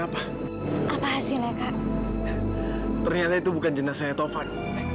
apa apa hasilnya kak ternyata itu bukan jenazahnya tovan